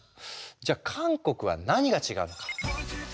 じゃあ韓国は何が違うのか？